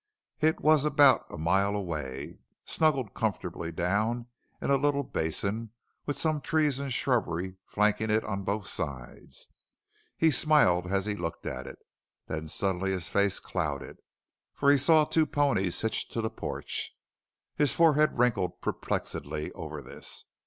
It was about a mile away, snuggled comfortably down in a little basin, with some trees and shrubbery flanking it on both sides. He smiled as he looked at it, and then suddenly his face clouded, for he saw two ponies hitched to the porch. His forehead wrinkled perplexedly over this.